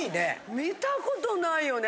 見たことないよね。